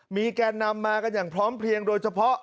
มีแกนนำมากันอย่างพร้อมเพลียงโดยเฉพาะ